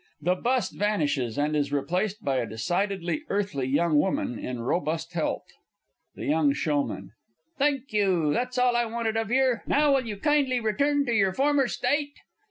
[The Bust vanishes, and is replaced by a decidedly earthly Young Woman in robust health. THE Y. S. Thenk you. That's all I wanted of yer. Now, will you kindly return to your former styte?